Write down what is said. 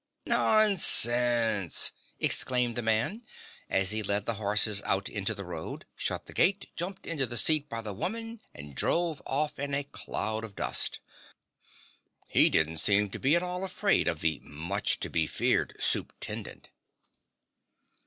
"Nonsense!" exclaimed the man, as he led the horses out into the road, shut the gate, jumped into the seat by the woman and drove off in a cloud of dust. He didn't seem to be at all afraid of the much to be feared Supe'tendent!